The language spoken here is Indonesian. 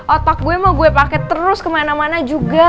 otak gue mah gue pake terus kemana mana juga